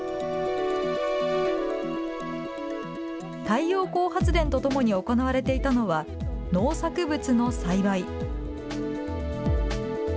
太陽光発電とともに行われていたのは農作物の栽培。